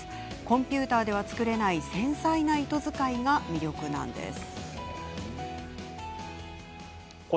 コンピューターでは作れない繊細な糸使いが魅力なんです。